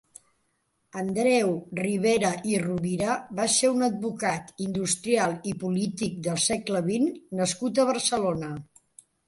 Andreu Ribera i Rovira va ser un advocat, industrial i polític del segle vint nascut a Barcelona.